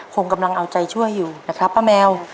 คงกำลังเอาใจช่วยอยู่นะครับป้าแมว